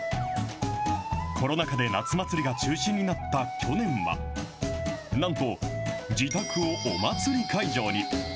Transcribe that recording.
コロナ禍で夏祭りが中止になった去年は、なんと、自宅をお祭り会場に。